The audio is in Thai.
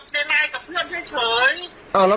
พี่ยอมรักพี่บอกแล้ว